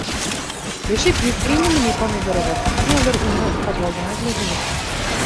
— Бешеп еткәйнеме ни помидорығыҙ, ниңәлер уны подвалдан эҙләйһегеҙ?